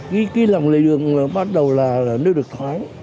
cái lòng lệ đường bắt đầu là nơi được thoáng